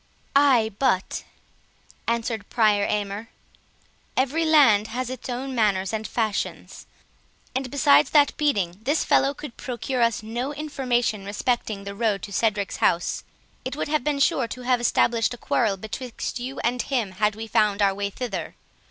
"Ay, but," answered Prior Aymer, "every land has its own manners and fashions; and, besides that beating this fellow could procure us no information respecting the road to Cedric's house, it would have been sure to have established a quarrel betwixt you and him had we found our way thither.